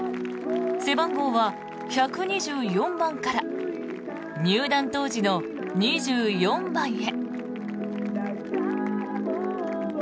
背番号は１２４番から入団当時の２４番へ。